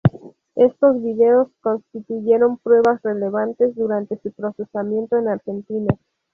Estos videos constituyeron pruebas relevantes durante su procesamiento en Argentina.